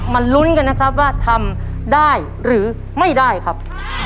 ลุ้นกันนะครับว่าทำได้หรือไม่ได้ครับ